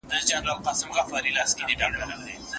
ذوالجلال يوسف عليه السلام ته هرڅه ورکړل.